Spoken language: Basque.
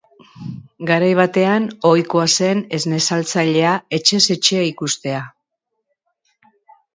Garai batean ohikoa zen esne saltzailea etxez etxe ikustea.